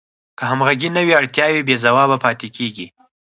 که همغږي نه وي اړتیاوې بې ځوابه پاتې کیږي.